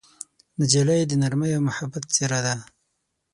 نجلۍ د نرمۍ او محبت څېره ده.